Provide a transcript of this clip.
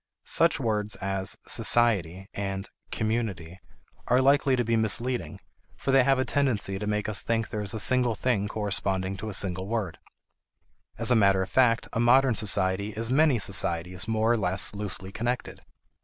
Such words as "society" and "community" are likely to be misleading, for they have a tendency to make us think there is a single thing corresponding to the single word. As a matter of fact, a modern society is many societies more or less loosely connected.